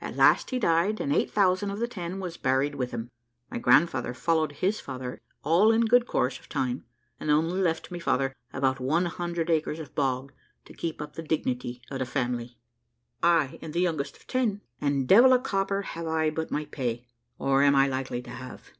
At last he died, and eight thousand of the ten was buried with him. My grandfather followed his father all in good course of time, and only left my father about one hundred acres of bog to keep up the dignity of the family. I am the youngest of ten, and devil a copper have I but my pay, or am I likely to have.